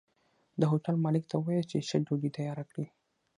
د هوټل مالک ته ووايه چې ښه ډوډۍ تياره کړي